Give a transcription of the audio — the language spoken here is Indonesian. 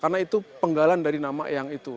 karena itu penggalan dari nama yang itu